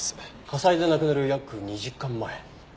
火災で亡くなる約２時間前。